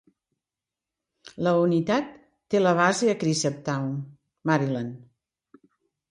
La unitat té la base a Cresaptown, Maryland.